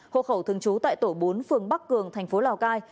hộ khẩu thường trú tại tổ bốn phường bắc cường thành phố lào cai